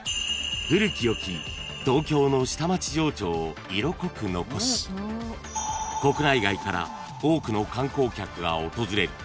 ［古き良き東京の下町情緒を色濃く残し国内外から多くの観光客が訪れる